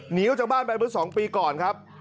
หนีออกจากบ้านไปเมื่อ๒ปีก่อนครับ